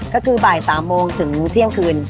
ก็คือบ่าย๓โมงถึงเที่ยงคืน